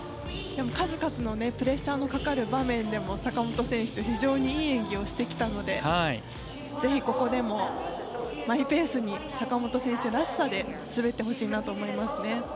数々のプレッシャーのかかる場面でも坂本選手、非常にいい演技をしてきたのでぜひここでもマイペースに坂本選手らしさで滑ってほしいなと思いますね。